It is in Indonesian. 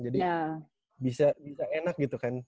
jadi bisa enak gitu kan